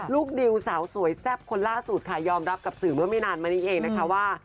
ดิวสาวสวยแซ่บคนล่าสุดค่ะยอมรับกับสื่อเมื่อไม่นานมานี้เองนะคะว่า